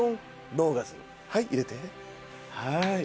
はい入れてはい。